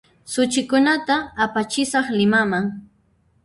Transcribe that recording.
Suchikunata apachisaq Limaman